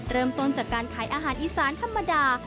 เริ่มต้นจากการขายอาหารอีสานธรรมดา